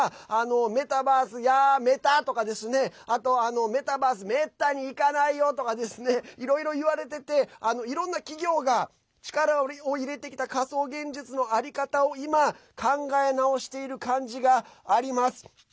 メタバース、やーメタとかメタバース、めったにいかないよとかですねいろいろ言われていていろんな企業が力を入れてきた仮想現実の在り方を今、考え直している感じがあります。